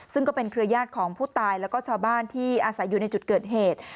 ซึ่งก็เป็นเครือญาติของผู้ตายแล้วก็ชาวบ้านที่อาศัยอยู่ในจุดเกิดเหตุ